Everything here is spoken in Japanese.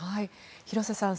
廣瀬さん